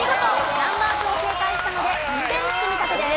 難マークを正解したので２点積み立てです。